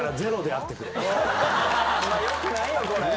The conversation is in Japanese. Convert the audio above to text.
あんまよくないよこれ。